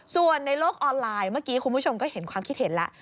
ส่วนในโลกออนไลน์เมื่อกี้คุณผู้ชมก็เห็นความคิดเห็นแล้ว